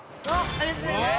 「ありがとうございます」